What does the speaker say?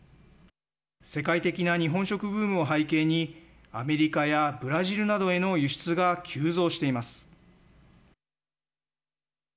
世界的な日本食ブームを背景にアメリカやブラジルなどへの輸出が急増しています。